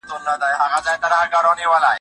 تا زما له پیالې لپه کړه چاپیره او موسکۍ شوې